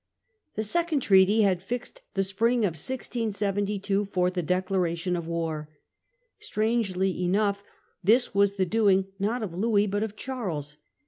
The second treaty had fixed the spring of 1672 for the declaration of war. Strangely enough, this was the doing, not of Louis, but of Charles.